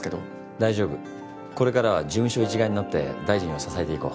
大丈夫これからは事務所一丸になって大臣を支えていこう。